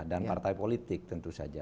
dan partai politik tentu saja